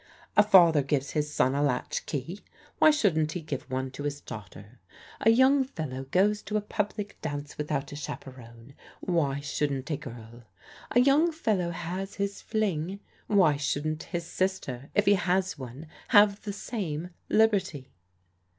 A father gives his son a latch key; why shouldn't he give one to his daughter? A young fellow goes to a public dance without a chaperon, why shouldn't a girl ? A young fellow has his fling, why shouldn't his sister, if he has one, have the same liberty?